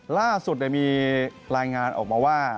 ล่าสุดมีรายงานออกมาว่า